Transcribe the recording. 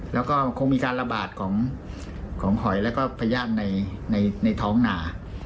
แล้วก็คงมีการระบาดของหอยแล้วก็พญาติในท้องหนา